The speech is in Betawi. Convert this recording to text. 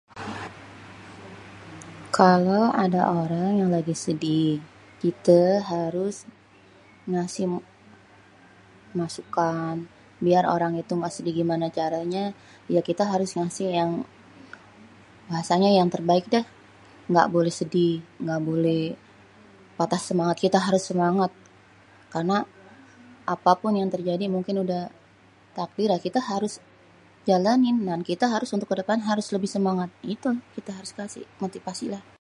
kalo ada orang yang lagi sedih, kitè harus, ngasih masukan, biar orang itu biar ga sedih begimanè caranyè biar kita harus ngasih yang, bahasanya yang terbaik dèh, gaboleh sedih, ga boleh patah semangat kita, kita harus semangat , karna apapun yang terjadi yang mungkin udèh takdir kita harus jalanin dan kita harus kedepan lebih semangat itu kita harus kasih motivasi lah.